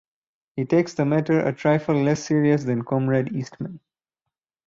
He takes the matter a trifle less serious than Comrade Eastman.